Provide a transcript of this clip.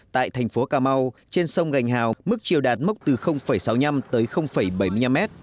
tại thành phố cà mau trên sông gành hào mức chiều đạt mốc từ sáu mươi năm tới bảy mươi năm m